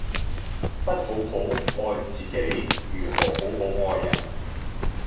不好好愛自己如何好好愛人